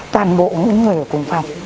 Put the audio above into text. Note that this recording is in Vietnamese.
toàn bộ người ở cùng phòng